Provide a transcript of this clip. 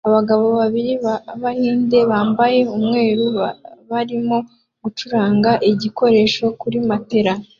Abagabo babiri b'Abahinde bambaye umweru barimo gucuranga ibikoresho kuri matela